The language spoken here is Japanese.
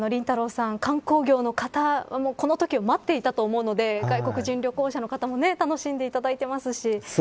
さん観光業の方、このときを待っていたと思うので外国人旅行者の方も楽しんでいただいていますし。